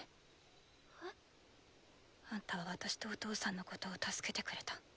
えっ？あんたは私とお父さんのことを助けてくれた。